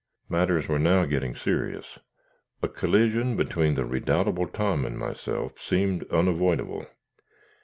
Matters were now getting serious. A collision between the redoubtable Tom and myself seemed unavoidable.